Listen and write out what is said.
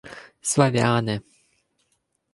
— Славяне.